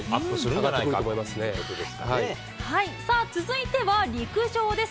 さあ、続いては陸上です。